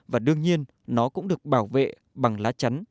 và đương nhiên nó cũng được bảo vệ bằng lá chắn